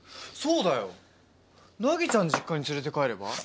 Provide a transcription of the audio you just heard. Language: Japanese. そうだよ凪ちゃん実家につれて帰れば？